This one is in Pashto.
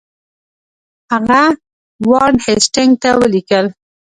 هغه وارن هیسټینګ ته ولیکل.